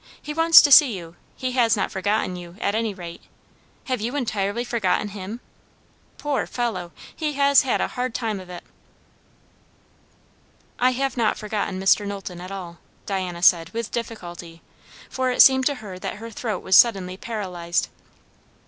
He wants to see you. He has not forgotten you, at any rate. Have you entirely forgotten him? Poor fellow! he has had a hard time of it." "I have not forgotten Mr. Knowlton at all," Diana said with difficulty, for it seemed to her that her throat was suddenly paralyzed.